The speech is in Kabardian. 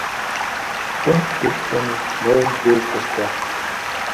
Хъунщ дышхэми, моуэ мыбдеж къысхуэхь.